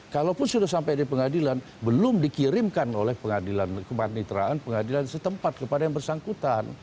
kalaupun sudah sampai di pengadilan belum dikirimkan oleh pengadilan kepanitraan pengadilan setempat kepada yang bersangkutan